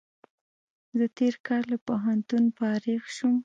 زه تېر کال له پوهنتون فارغ شوم